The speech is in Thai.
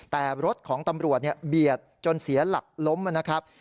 แต่รถของตำรวจเบียดจนเสียหลักล้มนะครับ